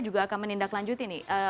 juga akan menindaklanjuti nih